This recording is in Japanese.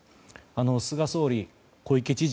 菅総理、小池知事